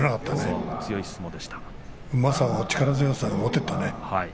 うまさ、力強さで持っていったね。